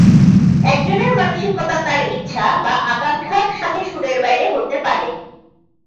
একজনের মানসিকতা তার ইচ্ছা বা আকাঙ্ক্ষার সাথে সুরের বাইরে হতে পারে।